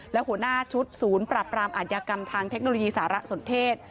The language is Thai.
และหัวหน้าชุดศูนย์ปรับปรามอาทยากรรมทางเทคโนโลยีสารสนเทศ